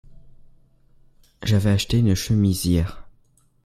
J'avais acheté une chemise hier.